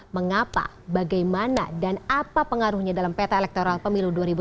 mengapa bagaimana dan apa pengaruhnya dalam peta elektoral pemilu dua ribu sembilan belas